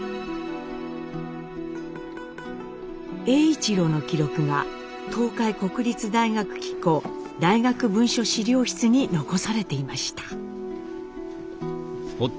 栄一郎の記録が東海国立大学機構大学文書資料室に残されていました。